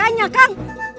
perke danau kang